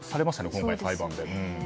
今回の裁判で。